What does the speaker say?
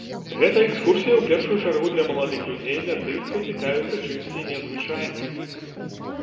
Гэта экскурсія, у першую чаргу, для маладых людзей, для тых, хто цікавіцца чымсьці незвычайным.